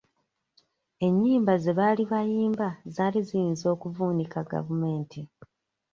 Ennyimba ze baali bayimba zaali ziyinza okuvuunika gavumenti.